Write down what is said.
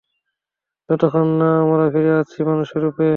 যতক্ষণ না আমরা ফিরে আসছি মানুষের রূপে।